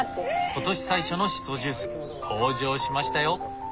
今年最初のしそジュース登場しましたよ。